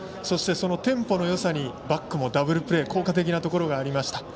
そして、そのテンポのよさにバックもダブルプレー効果的なところがありました。